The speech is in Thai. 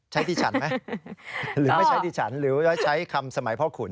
ดิฉันไหมหรือไม่ใช้ดิฉันหรือว่าใช้คำสมัยพ่อขุน